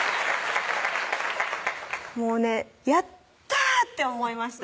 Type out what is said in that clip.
もうねやった！って思いました